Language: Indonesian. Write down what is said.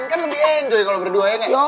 kan lebih enjoy kalau berdua ya nggak ya